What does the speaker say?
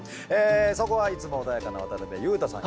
そこはいつも穏やかな渡辺裕太さん